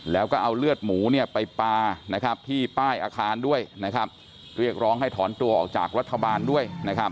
แล้วก็เอาเลือดหมูไปปลาที่ป้ายอาคารด้วยนะครับเรียกร้องให้ถอนตัวออกจากรัฐบาลด้วยนะครับ